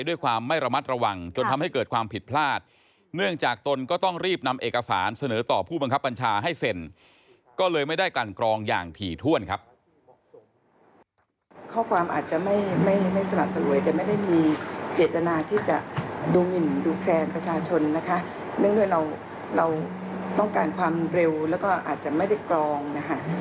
ข้อความอาจจะไม่ไม่ไม่สะหนักสะโรยแต่ไม่ได้มีเจตนาที่จะดูหมิ่นดูแคลนประชาชนนะคะเนื่องด้วยเราเราต้องการความเร็วแล้วก็อาจจะไม่ได้กรองนะฮะ